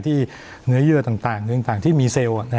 ที่เนื้อเยื้อต่างเนื้อต่างที่มีเสล